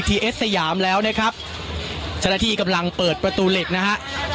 ทีเอสสยามแล้วนะครับชนะที่กำลังเปิดประตูเล็กนะฮะ